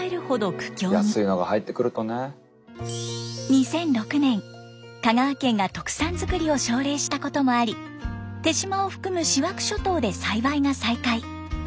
２００６年香川県が特産作りを奨励したこともあり手島を含む塩飽諸島で栽培が再開。